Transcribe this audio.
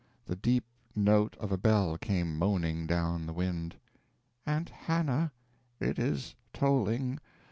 The deep note of a bell came moaning down the wind. "Aunt Hannah, it is tolling.